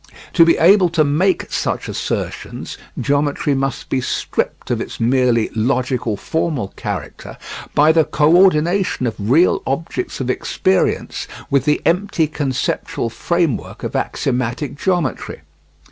To be able to make such assertions, geometry must be stripped of its merely logical formal character by the co ordination of real objects of experience with the empty conceptual frame work of axiomatic geometry.